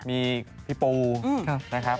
มีพี่ปูนะครับ